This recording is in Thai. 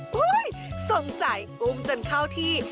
เฮ้ยสมใจอุ้มจนเข้าที่